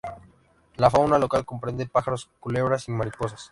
La fauna local comprende pájaros, culebras y mariposas.